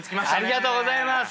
ありがとうございます！